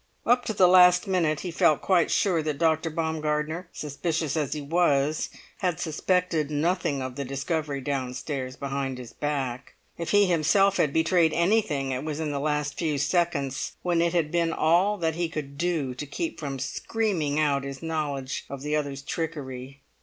Up to the last minute, he felt quite sure that Dr. Baumgartner, suspicious as he was, had suspected nothing of the discovery downstairs behind his back. If he himself had betrayed anything it was in the last few seconds, when it had been all that he could do to keep from screaming out his knowledge of the other's trickery.